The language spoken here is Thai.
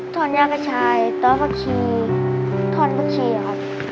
ทนยากระชายต้นฟักชีทนฟักชีครับ